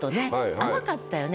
甘かったよね。